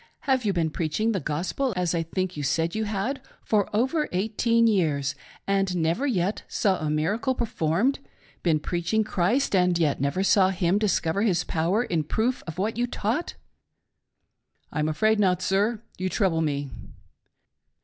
Have you been preaching the Gospel, as I think you said you had, for over eighteen years, and never yet saw a miracle performed : been preaching Christ and yet never saw Him discover His power in proof of what you taught ? L. P. : I'm afraid not, sir :— you trouble me.